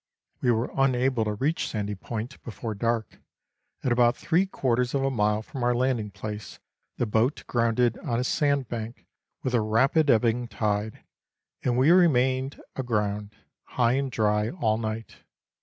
We were unable to reach. Sandy Point before dark, and about three quarters of a mile from our landing place the boat grounded on a sandbank with a rapid ebbing tide, and we remained aground, high and dry, all night.